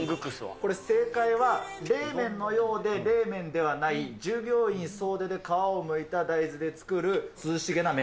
これ、正解は冷麺のようで冷麺ではない、従業員総出で皮をむいた大豆で作る涼しげな麺。